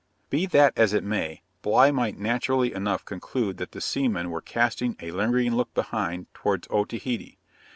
Be that as it may, Bligh might naturally enough conclude that the seamen were casting 'a lingering look behind' towards Otaheite.